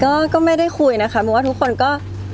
ก็ก็ไม่ได้คุยนะคะหมายถึงว่าทุกคนก็